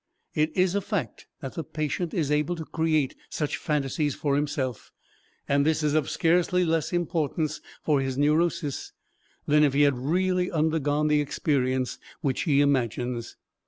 It is a fact that the patient is able to create such phantasies for himself, and this is of scarcely less importance for his neurosis than if he had really undergone the experience which he imagines.